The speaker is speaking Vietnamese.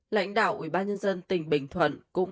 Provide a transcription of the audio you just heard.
lãnh đạo ubnd tỉnh bình thuận